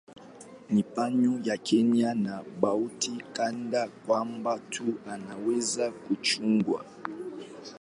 Ni pwani ya Kenya na hoteli kadhaa kwamba mtu anaweza kuchagua.